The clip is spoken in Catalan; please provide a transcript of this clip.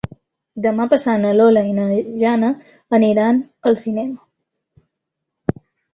Demà passat na Lola i na Jana aniran al cinema.